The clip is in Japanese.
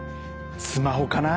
スマホかな？